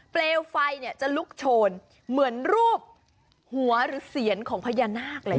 เปลวไฟจะลุกโชนเหมือนรูปหัวหรือเสียนของพญานาคเลย